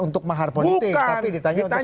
untuk mahar politik tapi ditanya untuk